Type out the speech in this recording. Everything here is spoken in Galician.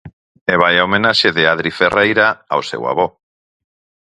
E vaia homenaxe de Adri Ferreira ao seu avó.